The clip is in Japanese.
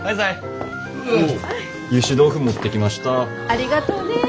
ありがとうねえ。